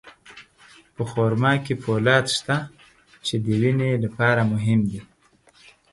په خرما کې فولاد شته، چې د وینې لپاره مهم دی.